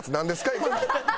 今の。